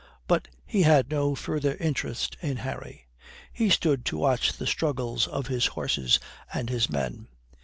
But he had no further interest in Harry. He stood to watch the struggles of his horses and his men.